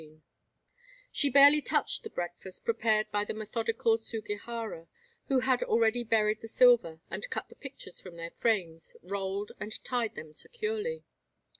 XV She barely touched the breakfast prepared by the methodical Sugihara, who had already buried the silver, and cut the pictures from their frames, rolled, and tied them securely.